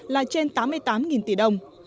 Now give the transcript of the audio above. là trên tám mươi tám tỷ đồng